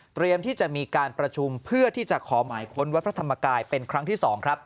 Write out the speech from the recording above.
ที่จะมีการประชุมเพื่อที่จะขอหมายค้นวัดพระธรรมกายเป็นครั้งที่๒ครับ